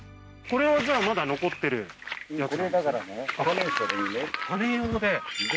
これはじゃあまだ残ってるやつ？